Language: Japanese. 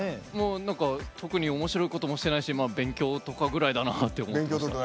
特におもしろいこともしてないし勉強とかぐらいかなって思ってました。